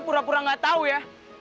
pura pura nggak tahu ya